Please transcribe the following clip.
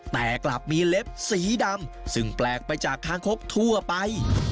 แต่กลับมีเล็บสีดำซึ่งแปลกไปจากคางคกทั่วไป